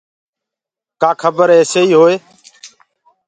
ڪآ کبر ايسيئيٚ هوئي